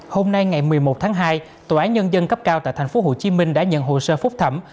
hôm nay ngày một mươi một tháng hai tòa án nhân dân cấp cao tại tp hcm đã nhận hồ sơ phúc thẩm